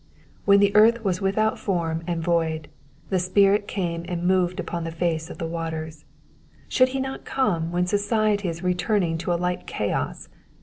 "When the earth was without form and void, the Spirit came and moved upon the face of the waters ; should he not come when society is returning to a like chaos?